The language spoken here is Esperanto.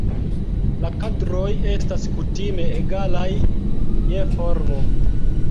La kadroj estas kutime egalaj je formo.